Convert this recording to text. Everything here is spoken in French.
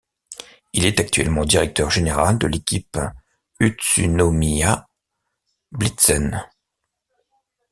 Il est actuellement directeur général de l'équipe Utsunomiya Blitzen.